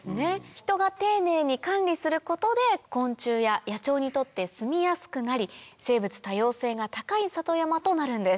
人が丁寧に管理することで昆虫や野鳥にとってすみやすくなり生物多様性が高い里山となるんです。